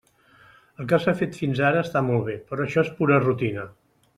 El que s'ha fet fins ara està molt bé, però això és pura rutina.